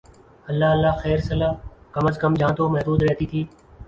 اللہ اللہ خیر سلا کم از کم جان تو محفوظ رہتی تھی۔